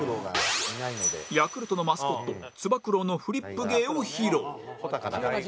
ヤクルトのマスコットつば九郎のフリップ芸を披露